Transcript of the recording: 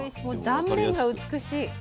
もう断面が美しい。